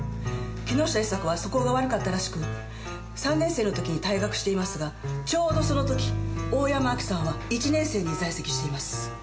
木下伊沙子は素行が悪かったらしく３年生の時に退学していますがちょうどその時大山アキさんは１年生に在籍しています。